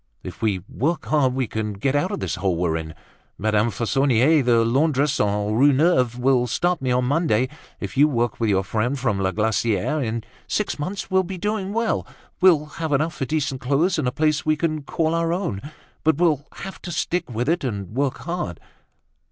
"If we work hard we can get out of the hole we're in. Madame Fauconnier, the laundress on Rue Neuve, will start me on Monday. If you work with your friend from La Glaciere, in six months we will be doing well. We'll have enough for decent clothes and a place we can call our own. But we'll have to stick with it and work hard."